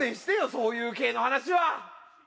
そういう系の話は！